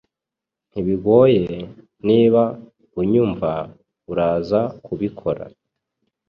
Ntibigoye, niba unyumva, uraza kubikora